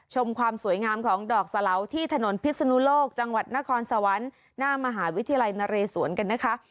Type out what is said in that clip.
ชมความสวยงามของดอกสะเหลาที่ถนนพิศนุโลกจังหวัดนครสวรรค์หน้ามหาวิทยาลัยนเรสวนกันนะคะ